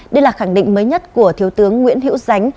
đây là khẳng định mới nhất của thiếu tướng nguyễn hữu ránh